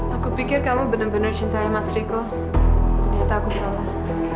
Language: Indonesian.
aku pikir kamu benar benar cintai mas riko ternyata aku salah